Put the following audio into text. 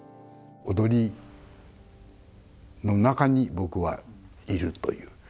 踊りの中に僕はいるという。